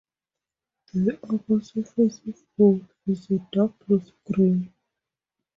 The upper surface of both is a dark glossy green.